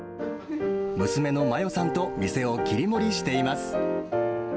娘の麻代さんと店を切り盛りしています。